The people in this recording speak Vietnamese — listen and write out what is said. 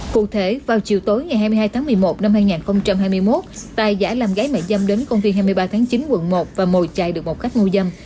cụ thể vào chiều tối ngày hai mươi hai tháng một mươi một năm hai nghìn hai mươi một tài giải làm gái mẹ dâm đến công ty hai mươi ba tháng chín quận một và mồi chạy được một khách mua dâm